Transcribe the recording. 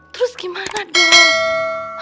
terus gimana dong